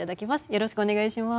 よろしくお願いします。